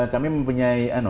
kami mempunyai toleransi